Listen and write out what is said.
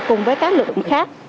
cùng với các lực lượng khác